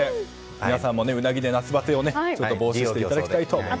皆さんもウナギで夏バテを防止していただきたいと思います。